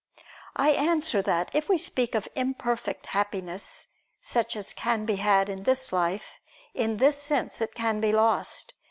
I answer that, If we speak of imperfect happiness, such as can be had in this life, in this sense it can be lost.